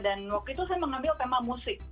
dan waktu itu saya mengambil tema musik